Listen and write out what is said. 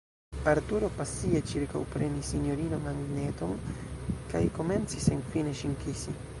Arturo pasie ĉirkaŭprenis sinjorinon Anneton kaj komencis senfine ŝin kisi.